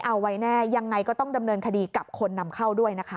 เอาไว้แน่ยังไงก็ต้องดำเนินคดีกับคนนำเข้าด้วยนะคะ